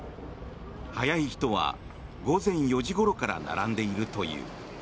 早い人は午前４時ごろから並んでいるという。